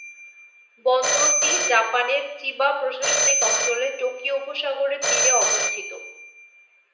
বন্দরটি জাপানের চিবা প্রশাসনিক অঞ্চলে টোকিও উপসাগরের তীরে অবস্থিত।